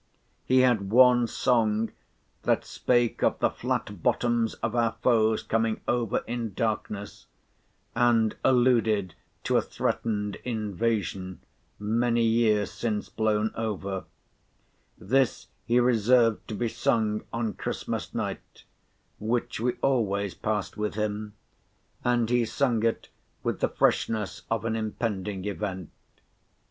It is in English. He had one Song, that spake of the "flat bottoms of our foes coming over in darkness," and alluded to a threatened Invasion, many years since blown over; this he reserved to be sung on Christmas Night, which we always passed with him, and he sung it with the freshness of an impending event.